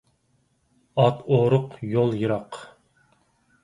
ئات ئورۇق، يول يىراق.